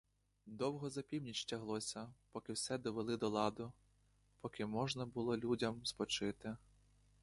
Довго за північ тяглося, поки все довели до ладу, поки можна було людям спочити.